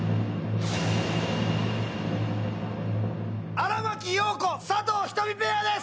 荒牧陽子・佐藤仁美ペアです！